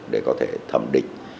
để có thể thẩm định